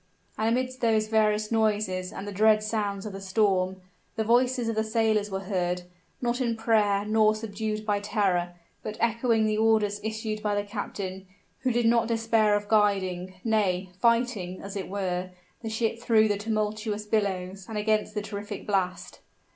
And amidst those various noises and the dread sounds of the storm, the voices of the sailors were heard not in prayer nor subdued by terror but echoing the orders issued by the captain, who did not despair of guiding nay, fighting, as it were, the ship through the tumultuous billows and against the terrific blast.